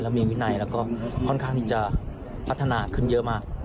มีวินัยแล้วก็ค่อนข้างที่จะพัฒนาขึ้นเยอะมาก